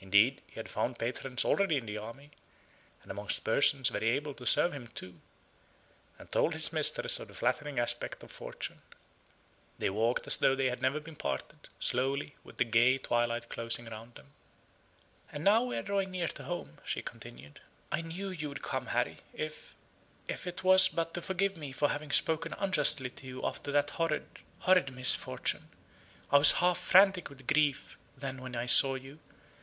Indeed, he had found patrons already in the army, and amongst persons very able to serve him, too; and told his mistress of the flattering aspect of fortune. They walked as though they had never been parted, slowly, with the gray twilight closing round them. "And now we are drawing near to home," she continued, "I knew you would come, Harry, if if it was but to forgive me for having spoken unjustly to you after that horrid horrid misfortune. I was half frantic with grief then when I saw you.